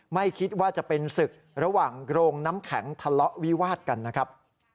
ไม่คิดว่าจะเป็นศึกระหว่างโรงน้ำแข็งทะเลาะวิวาดกันนะครับ